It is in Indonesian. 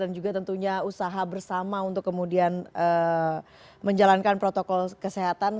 dan juga tentunya usaha bersama untuk kemudian menjalankan protokol kesehatan